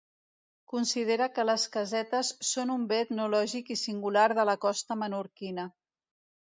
Considera que les casetes són un bé etnològic i singular de la costa menorquina.